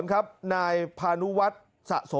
มันตายมาแล้วมันตายมาแล้ว